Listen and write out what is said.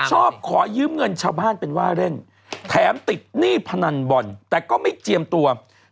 ขอยืมเงินชาวบ้านเป็นว่าเล่นแถมติดหนี้พนันบอลแต่ก็ไม่เจียมตัว